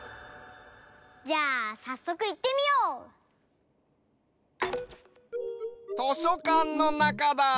じゃあさっそくいってみよう！としょかんのなかだ！